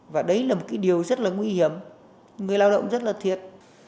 và đấy là một cái điều rất là nguy hiểm người lao động rất là thiệt